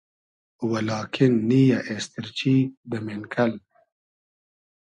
و لاکین نییۂ اېستیرچی دۂ مېنکئل